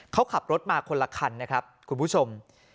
เขาขับรถมาคนละคันนะครับคุณผู้ชม